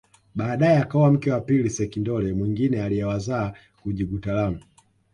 Baadae akaoa mke wa pili sekindole mwingine aliyewazaa Gunyigutalamu